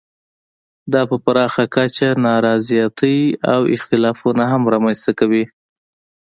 دا په پراخه کچه نا رضایتۍ او اختلافونه هم رامنځته کوي.